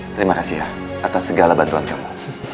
terima kasih ya atas segala bantuan kamu